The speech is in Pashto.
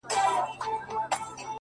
د وخت ناخوالي كاږم”